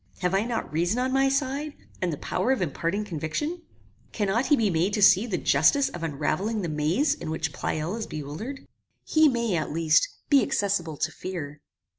Have I not reason on my side, and the power of imparting conviction? Cannot he be made to see the justice of unravelling the maze in which Pleyel is bewildered? He may, at least, be accessible to fear.